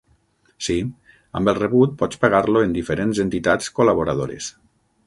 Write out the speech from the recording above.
Sí, amb el rebut pots pagar-lo en diferents entitats col·laboradores.